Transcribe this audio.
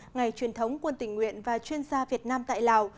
ngày truyền thống quân tình nguyện và chuyên gia việt nam tại lào